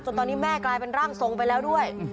ตอนนี้แม่กลายเป็นร่างทรงไปแล้วด้วย